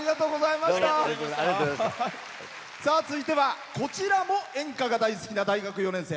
続いては、こちらも演歌が大好きな大学４年生。